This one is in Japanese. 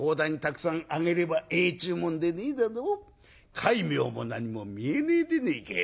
戒名も何も見えねえでねえかい。